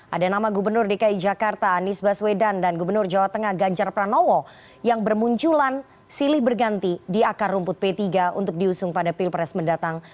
ada nama gubernur dki jakarta anies baswedan dan gubernur jawa tengah ganjar pranowo yang bermunculan silih berganti di akar rumput p tiga untuk diusung pada pilpres mendatang